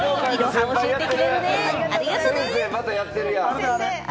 先生、またやってるやん！